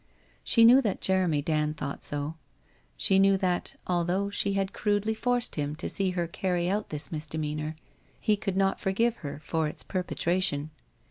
She knew that Jeremy Dand thought so. She knew that, although she had crudely forced him to see her carry out this misdemeanour, he could not forgive her for its perpetration.